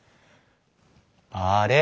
あれ？